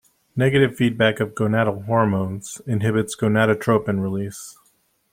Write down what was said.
Negative feedback of gonadal hormones inhibits gonadotropin release.